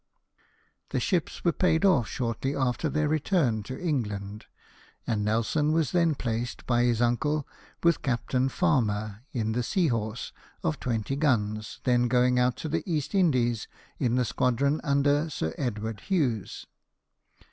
The ships were paid off shortly after their return to England; and Nelson was then placed, by his uncle, with Captain Farmer, in the Seahorse, of 20 gims, then going out to the East Indies in the squadron under Sir Edward Hughes.